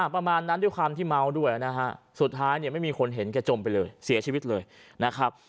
ประมาณนั้นด้วยความที่เมาด้วยนะฮะสุดท้ายเนี่ยไม่มีคนเห็นแกจมไปเลยเสียชีวิตเลยนะครับ